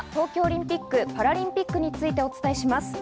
まずは東京オリンピック・パラリンピックについてお伝えします。